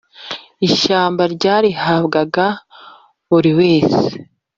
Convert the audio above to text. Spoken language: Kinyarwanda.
ishyamba ryarihabwaga buri wese